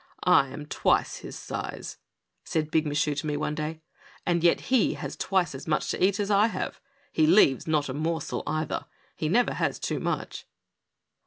" I am twice his size," said Big Michu to me one day, and yet he has twice as much to eat as I have. He leaves not a morsel either ; he never has too much